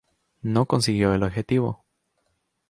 No consiguió el objetivo.